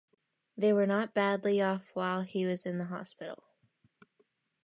They were not badly off whilst he was in the hospital.